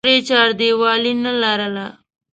کور یې چاردیوالي نه لرله.